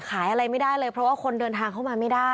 ขายอะไรไม่ได้เลยเพราะว่าคนเดินทางเข้ามาไม่ได้